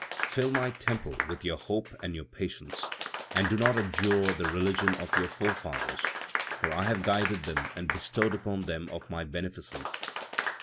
"Fill my temple with your hope and your patience, and do not adjure the religion of your forefathers, for I have guided them and bestowed upon them of my beneficence.